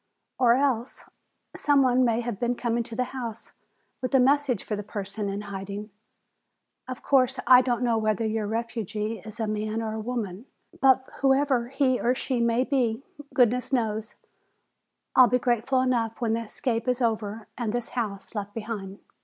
"Or else some one may have been coming to the house with a message for the person in hiding. Of course, I don't know whether your refugee is a man or woman. But whoever he or she may be, goodness knows, I'll be grateful enough when the escape is over and this house left behind!"